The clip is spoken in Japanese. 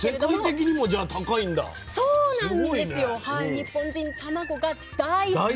日本人たまごが大好き。